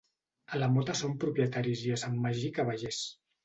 A la Mota són propietaris i a Sant Magí cavallers.